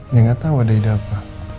ya gak tau ada ide apa